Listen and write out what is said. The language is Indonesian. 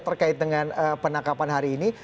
terkait dengan penangkapan hari ini